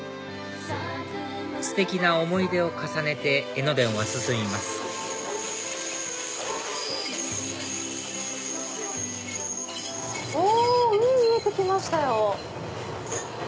ステキな思い出を重ねて江ノ電は進みますお海見えてきましたよ！